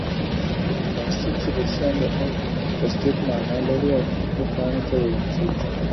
ډيپلوماسۍ چې د سند او تصديق مانا لري او هغې پاڼي ته ويل کيږي